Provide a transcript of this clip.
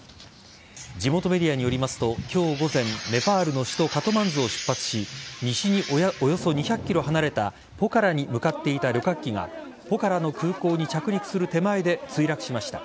地元メディアによりますと今日午前、ネパールの首都カトマンズを出発し西におよそ２００ｋｍ離れたポカラに向かっていた旅客機がポカラの空港に着陸する手前で墜落しました。